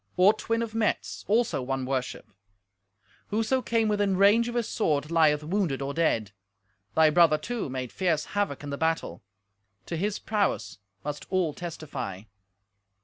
"Ortwin of Metz, also, won worship. Whoso came within range of his sword lieth wounded or dead. Thy brother, too, made fierce havoc in the battle. To his prowess must all testify.